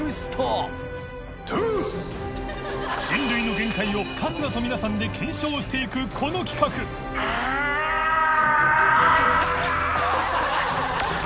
秧洋爐慮続Δ春日と皆さんで検証していくこの企画春日）